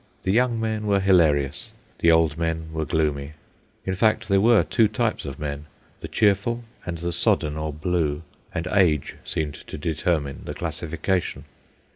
The young men were hilarious, the old men were gloomy. In fact, there were two types of men, the cheerful and the sodden or blue, and age seemed to determine the classification.